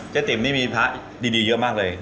ติ๋มนี่มีพระดีเยอะมากเลย